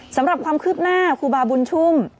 สำหรับความคืบหน้าครูบาบุญชุ่ม